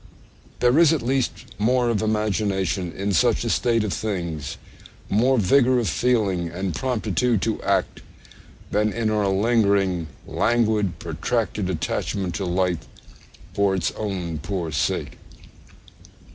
There is at least more of imagination in such a state of things, more vigour of feeling and promptitude to act, than in our lingering, languid, protracted attachment to life for its own poor sake.